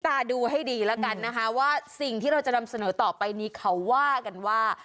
ตาดูให้ดีแล้วกันนะคะว่าสิ่งที่เราจะนำเสนอต่อไปนี้เขาว่ากันว่า